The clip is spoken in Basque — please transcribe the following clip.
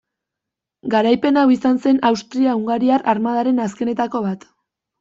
Garaipen hau izango zen Austria-Hungariar armadaren azkenetako bat.